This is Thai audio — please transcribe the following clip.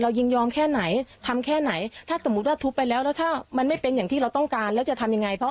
ยินยอมแค่ไหนทำแค่ไหนถ้าสมมุติว่าทุบไปแล้วแล้วถ้ามันไม่เป็นอย่างที่เราต้องการแล้วจะทำยังไงเพราะ